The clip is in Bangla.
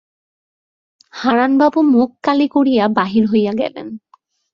হারানবাবু মুখ কালি করিয়া বাহির হইয়া গেলেন।